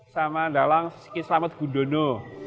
sama dalang sikislamet gudono